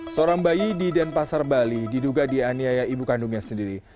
seorang bayi di denpasar bali diduga dianiaya ibu kandungnya sendiri